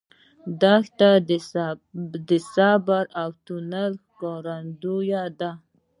دښته د صبر او توکل ښکارندوی ده.